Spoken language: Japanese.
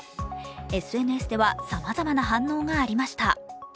ＳＮＳではさまざまな反応がありました。